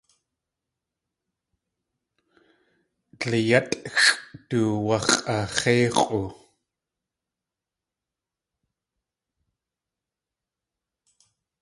Dliyátʼxʼ du wax̲ʼax̲éix̲ʼu.